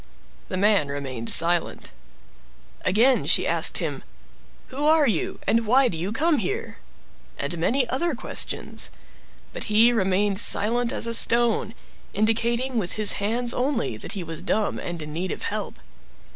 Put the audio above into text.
The man remained silent. Again she asked him— "Who are you, and why do you come here?" And many other questions. But he remained silent as a stone, indicating with his hands only that he was dumb and in need of help.